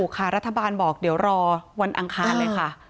ค่ะรัฐบาลบอกเดี๋ยวรอวันอังคารเลยค่ะ